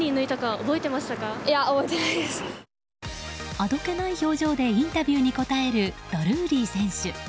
あどけない表情でインタビューに答えるドルーリー選手。